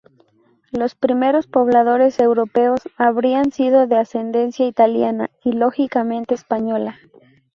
Los primeros pobladores europeos habrían sido de ascendencia italiana y lógicamente española.